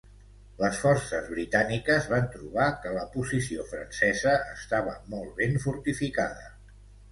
Les forces britàniques van trobar que la posició francesa estava molt ben fortificada.